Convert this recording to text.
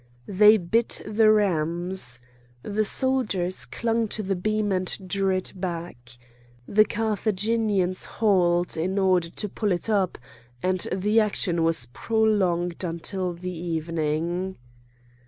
They bit the rams. The soldiers clung to the beam and drew it back. The Carthaginians hauled in order to pull it up; and the action was prolonged until the evening.